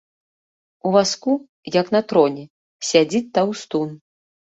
У вазку, як на троне, сядзіць таўстун.